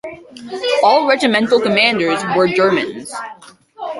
All regimental commanders were Germans.